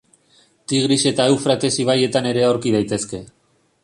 Tigris eta Eufrates ibaietan ere aurki daitezke.